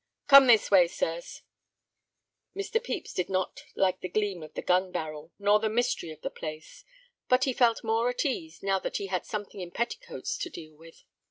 "Come this way, sirs." Mr. Pepys did not like the gleam of the gun barrel, nor the mystery of the place; but he felt more at ease, now that he had something in petticoats to deal with.